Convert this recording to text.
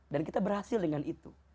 dan kita berhasil dengan itu